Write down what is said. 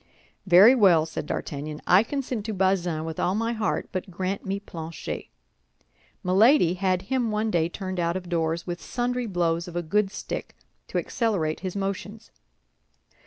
"Very well," said D'Artagnan, "I consent to Bazin with all my heart, but grant me Planchet. Milady had him one day turned out of doors, with sundry blows of a good stick to accelerate his motions.